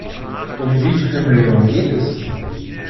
Um wie viele Millionen geht es?